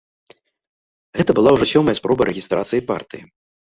Гэта была ўжо сёмая спроба рэгістрацыі партыі.